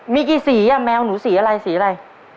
มีกี่สีอ่ะแมวหนูสีอะไรสีอะไร